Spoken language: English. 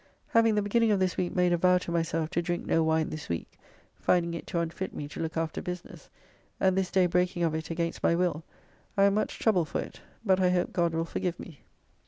Having the beginning of this week made a vow to myself to drink no wine this week (finding it to unfit me to look after business), and this day breaking of it against my will, I am much troubled for it, but I hope God will forgive me.